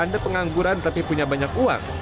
anda pengangguran tapi punya banyak uang